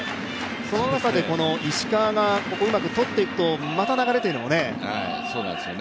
その中で石川がここをうまくとっていくとまた流れというのもね。